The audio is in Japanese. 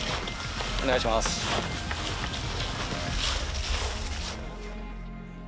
お願いします。